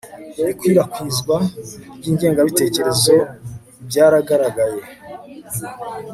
ikwirakwizwa ry ingengabitekerezobyaragaragaye